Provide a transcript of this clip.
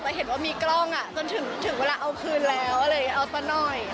แต่เห็นว่ามีกล้องอ่ะจนถึงเวลาเอาคืนแล้วเลยเอาสักหน่อย